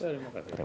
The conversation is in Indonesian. terima kasih banyak